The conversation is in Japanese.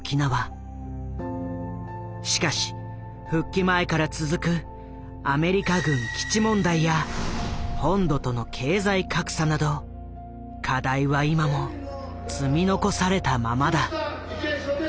しかし復帰前から続くアメリカ軍基地問題や本土との経済格差など課題は今も積み残されたままだ。